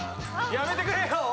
やめてくれよ！